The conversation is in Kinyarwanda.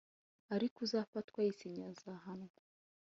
ariko uzafatwa yisinyiye azahanwa